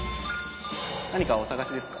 何かお探しですか？